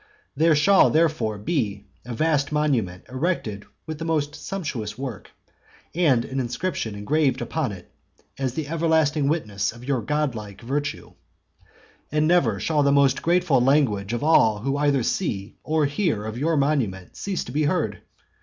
There shall therefore be a vast monument erected with the most sumptuous work, and an inscription engraved upon it, as the everlasting witness of your god like virtue. And never shall the most grateful language of all who either see or hear of your monument cease to be heard.